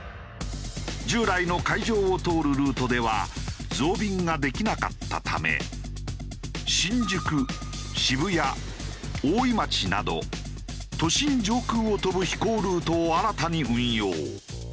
従来の海上を通るルートでは増便ができなかったため新宿渋谷大井町など都心上空を飛ぶ飛行ルートを新たに運用。